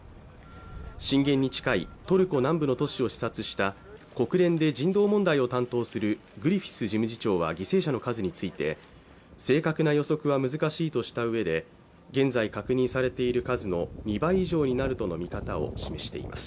震源に近いトルコ南部の都市を視察した国連で人道問題を担当するグリフィス事務次長は犠牲者の数について正確な予測は難しいとしたうえで現在確認されている数の２倍以上になるとの見方を示しています